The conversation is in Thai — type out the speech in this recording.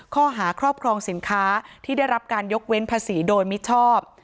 ข้อหาครอบครองสินค้าที่ได้รับการยกเว้นภาษีโดยมิชอบ